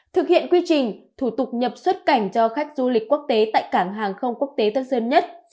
thực hiện quy trình thủ tục nhập xuất cảnh cho khách du lịch quốc tế tại cảng hàng không quốc tế tân sơn nhất